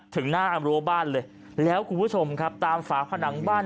ถึงหน้ารั้วบ้านเลยแล้วคุณผู้ชมครับตามฝาผนังบ้าน